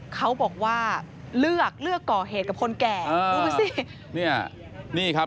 เขาบอกว่าเลือกก่อเหตุกับคนแก่